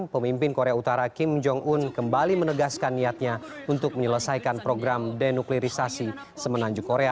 pemimpin korea utara kim jong un kembali menegaskan niatnya untuk menyelesaikan program denuklerisasi semenanju korea